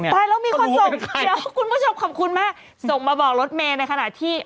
ไปแล้วมีคนส่งเดี๋ยวคุณผู้ชมขอบคุณมากส่งมาบอกรถเมย์ในขณะที่